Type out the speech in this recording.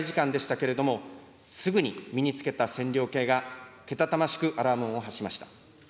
僅かな滞在時間でしたけれども、すぐに身に着けた線量計がけたたましくアラーム音を発しました。